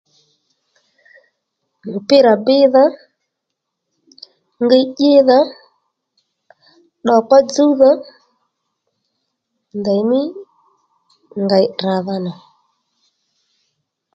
Mupira bíydha, ngiy ídha tdokpa dzúwdha ndèymí ngèy tdràdha nà